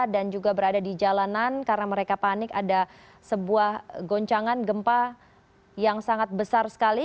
dan juga berada di jalanan karena mereka panik ada sebuah goncangan gempa yang sangat besar sekali